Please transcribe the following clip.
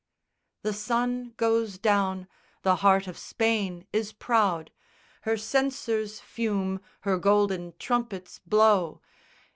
The sun goes down: the heart of Spain is proud: Her censers fume, her golden trumpets blow!